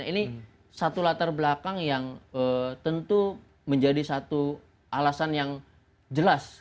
ini satu latar belakang yang tentu menjadi satu alasan yang jelas